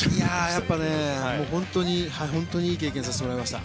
やっぱり本当にいい経験をさせてもらいました。